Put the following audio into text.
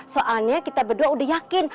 soalnya kita berdua udah yakin